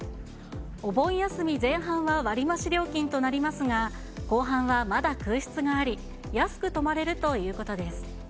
お盆休み前半は割り増し料金となりますが、後半はまだ空室があり、安く泊まれるということです。